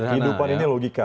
hidupan ini logika